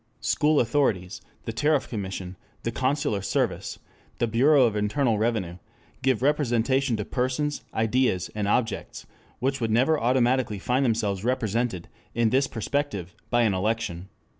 School authorities, the Tariff Commission, the consular service, the Bureau of Internal Revenue give representation to persons, ideas, and objects which would never automatically find themselves represented in this perspective by an election.